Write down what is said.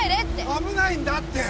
危ないんだって！